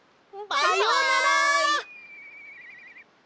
さようなら！